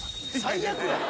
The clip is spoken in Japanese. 最悪やん。